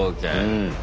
うん。